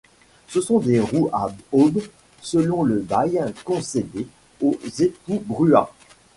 Ce sont des roues à aubes selon le bail concédé aux époux Brua.